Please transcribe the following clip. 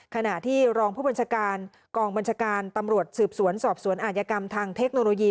ขณะที่รองผู้บัญชาการกองบัญชาการตำรวจสืบสวนสอบสวนอาจยกรรมทางเทคโนโลยี